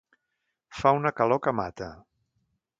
Fa una calor que mata.